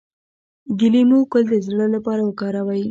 د لیمو ګل د زړه لپاره وکاروئ